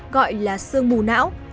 gọi là sương mù não